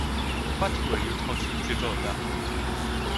What were you talking drivel about?